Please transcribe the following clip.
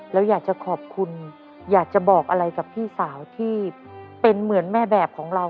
แล้วอยากจะขอบคุณอยากจะบอกอะไรกับพี่สาวที่เป็นเหมือนแม่แบบของเรา